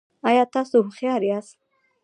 ایا تاسو هوښیار یاست؟